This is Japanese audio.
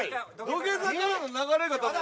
土下座からの流れがダメ